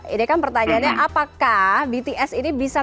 ini kan pertanyaannya apakah bts ini bisa terus berjalan